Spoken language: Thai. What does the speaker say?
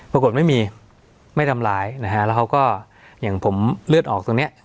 ปรากฏไม่มีไม่ทำร้ายนะฮะแล้วเขาก็อย่างผมเลือดออกตรงเนี้ย